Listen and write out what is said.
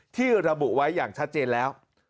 ที่ระบุไว้อย่างชัดเจนแล้ว